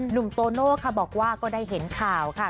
โตโน่ค่ะบอกว่าก็ได้เห็นข่าวค่ะ